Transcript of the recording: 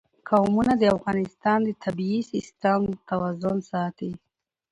قومونه د افغانستان د طبعي سیسټم توازن ساتي.